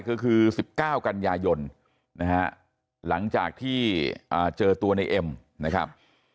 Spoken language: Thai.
ก็คือ๑๙กันยายนนะฮะหลังจากที่เจอตัวในเอ็มนะครับ